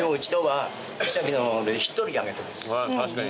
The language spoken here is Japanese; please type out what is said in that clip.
確かに。